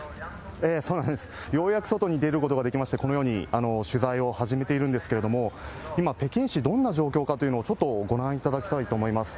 そうなんです、ようやく外に出ることができまして、このように取材を始めているんですけれども、今、北京市、どういう状況かというのを、ちょっとご覧いただきたいと思います。